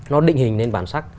nó định hình lên bản sắc